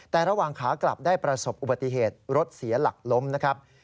แต่ระหว่างขากลับได้ประสบอุบัติเหตุรถเสียหลักล้มนะครับ